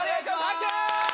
拍手！